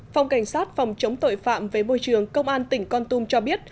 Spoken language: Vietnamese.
phòng cảnh sát phòng chống tội phạm với môi trường công an tỉnh con tum cho biết